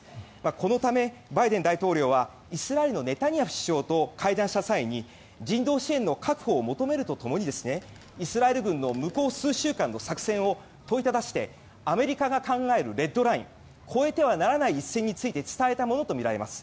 このため、バイデン大統領はイスラエルのネタニヤフ首相と会談した際に人道支援の確保を求めるとともにイスラエル軍の向こう数週間の作戦を問いただしてアメリカが考えるレッドライン越えてはならない一線について伝えたものとみられます。